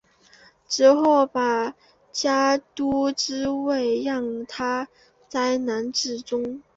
之后把家督之位让与嫡男义忠。